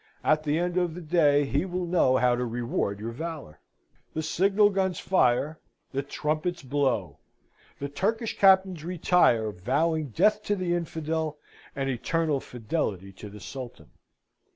At the end of the day, he will know how to reward your valour." The signal guns fire the trumpets blow the Turkish captains retire, vowing death to the infidel, and eternal fidelity to the Sultan.